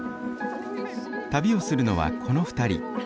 旅をするのはこの２人。